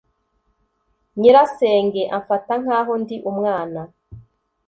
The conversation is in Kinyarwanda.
Nyirasenge amfata nkaho ndi umwana.